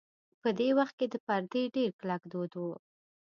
په دې وخت کې د پردې ډېر کلک دود و.